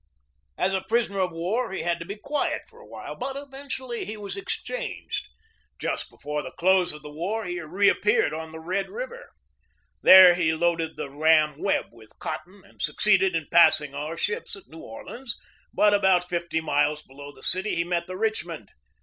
As a prisoner of war he had to be quiet for a while; but eventually he was exchanged. Just be fore the close of the war he reappeared on the Red River. There he loaded the ram Webb with cotton and succeeded in passing our ships at New Orleans; but about fifty miles below the city he met the Rich mond.